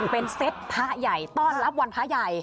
เป็นเซตพระใหญ่ต้อนรับวันพระใหญ่